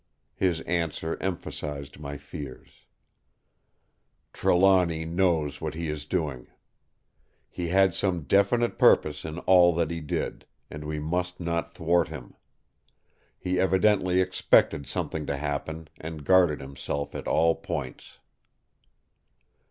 His answer emphasized my fears: "Trelawny knows what he is doing. He had some definite purpose in all that he did; and we must not thwart him. He evidently expected something to happen, and guarded himself at all points."